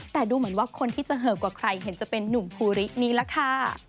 แต่ดูเหมือนว่าคนที่จะเหิบกว่าใครเห็นจะเป็นนุ่มภูรินี้ล่ะค่ะ